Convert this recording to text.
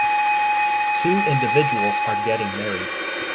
Two individuals are getting married.